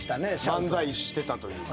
漫才してたというか。